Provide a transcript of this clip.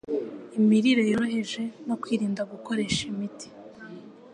Imirire yoroheje, no kwirinda gukoresha imiti